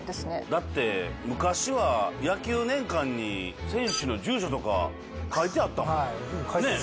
だって昔は『野球名鑑』に選手の住所とか書いてあったもん。